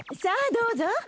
さぁどうぞ。